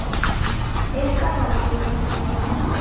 Es tan aburrido".